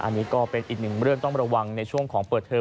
อันนี้ก็เป็นอีกหนึ่งเรื่องต้องระวังในช่วงของเปิดเทอม